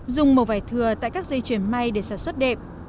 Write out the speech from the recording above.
dùng màu vải thừa tại các dây chuyển may để sản xuất đệm